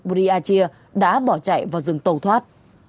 bùi a chia đã bỏ chạy vào rừng tàu thoát